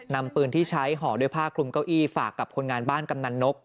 นำปืนที่ใช้ห่อด้วยผ้าคลุมเก้าอี้ฝากกับคนงานบ้านกำนันนก